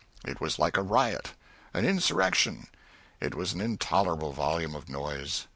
It was like a riot, an insurrection; it was an intolerable volume of noise.